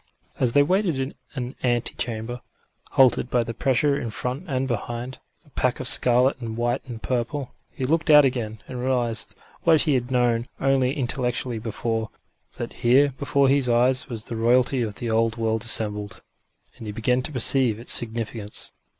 As they waited in an ante chamber, halted by the pressure in front and behind a pack of scarlet and white and purple he looked out again, and realised what he had known only intellectually before, that here before his eyes was the royalty of the old world assembled and he began to perceive its significance.